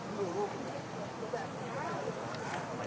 โปรดติดตามต่อไป